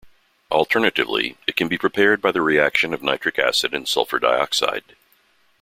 Alternatively, it can be prepared by the reaction of nitric acid and sulfur dioxide.